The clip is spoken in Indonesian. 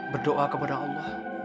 berdoa kepada allah